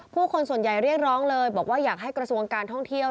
คนส่วนใหญ่เรียกร้องเลยบอกว่าอยากให้กระทรวงการท่องเที่ยว